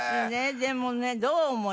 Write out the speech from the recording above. でもねどうお思い？